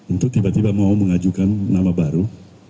untuk tiba tiba mau mengajukan nama baru